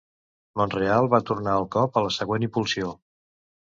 Montreal va tornar el cop a la següent impulsió.